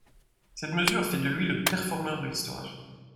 Cette mesure fait de lui le performeur de l'histoire.